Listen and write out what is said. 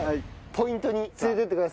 ポイントに連れていってください。